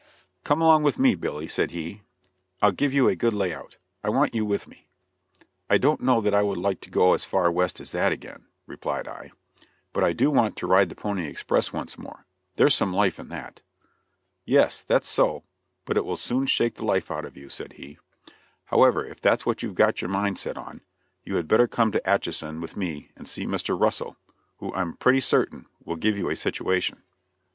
"Come along with me, Billy," said he, "I'll give you a good lay out. I want you with me." "I don't know that I would like to go as far west as that again," replied I, "but I do want to ride the pony express once more; there's some life in that." "Yes, that's so; but it will soon shake the life out of you," said he. "However, if that's what you've got your mind set on, you had better come to Atchison with me and see Mr. Russell, who I'm pretty certain, will give you a situation."